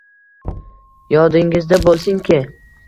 Yodingizda bo’lsinki